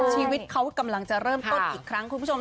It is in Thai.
ชีวิตเขากำลังจะเริ่มต้นอีกครั้งคุณผู้ชม